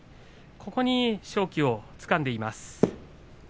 ここに勝機をつかんでいます。